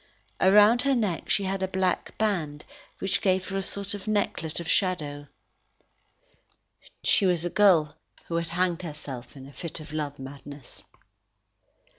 Around her neck she had a black band, which gave her a sort of necklet of shadow. She was a girl who had hanged herself in a fit of love madness.